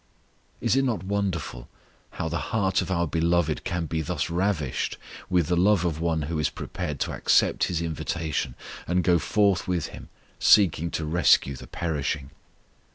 Is it not wonderful how the heart of our Beloved can be thus ravished with the love of one who is prepared to accept His invitation, and go forth with Him seeking to rescue the perishing!